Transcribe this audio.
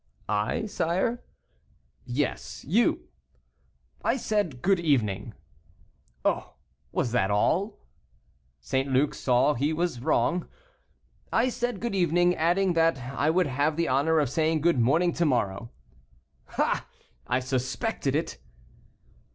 "I, sire?" "Yes, you." "I said, good evening." "Oh! was that all?" St. Luc saw he was wrong. "I said, good evening; adding, that I would have the honor of saying good morning to morrow." "Ah! I suspected it."